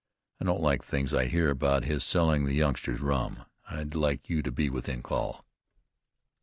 I don't like things I hear about his selling the youngsters rum. I'd like you to be within call."